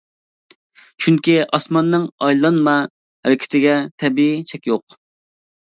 چۈنكى ئاسماننىڭ ئايلانما ھەرىكىتىگە تەبىئىي چەك يوق.